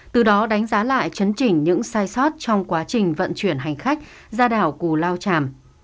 từ đó đánh giá lại chấn chỉnh những sai sót trong quá trình vận chuyển hành khách ra đảo cù lao tràm